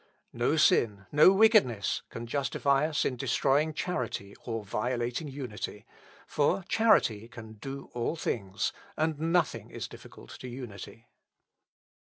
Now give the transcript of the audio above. No sin, no wickedness, can justify us in destroying charity or violating unity; for charity can do all things, and nothing is difficult to unity."